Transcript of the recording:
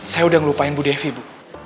saya udah ngelupain bu devi bu